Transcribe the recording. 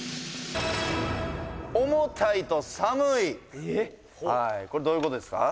重たいと寒いはいこれどういうことですか？